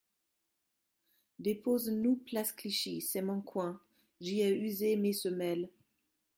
Dépose-nous Place Clichy, c’est mon coin, j’y ai usé mes semelles